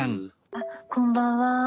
あっこんばんは。